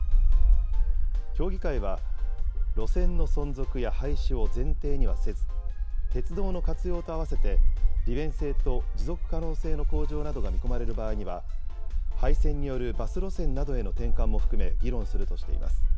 協議会は、路線の存続や廃止を前提にはせず、鉄道の活用と合わせて、利便性と持続可能性の向上などが見込まれる場合には、廃線によるバス路線などへの転換も含め議論するとしています。